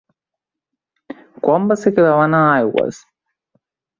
Quan va ser que vam anar a Aigües?